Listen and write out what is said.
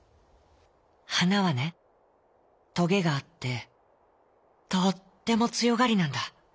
「はなはねトゲがあってとってもつよがりなんだ。